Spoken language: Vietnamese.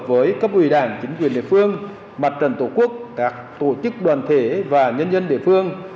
với cấp ủy đảng chính quyền địa phương mặt trận tổ quốc các tổ chức đoàn thể và nhân dân địa phương